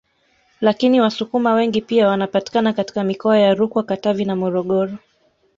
Lakini Wasukuma wengi pia wanapatikana katika mikoa ya Rukwa Katavi na Morogoro